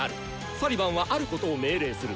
サリバンはあることを命令する。